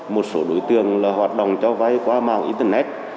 một số đối tượng là hoạt động cho vay qua mạng internet